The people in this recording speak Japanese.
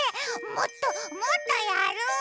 もっともっとやる！